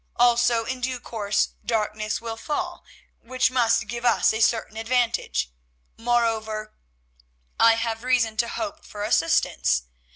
Also, in due course, darkness will fall, which must give us a certain advantage; moreover, I have reason to hope for assistance.